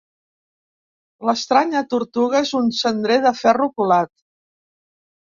L'estranya tortuga és un cendrer de ferro colat.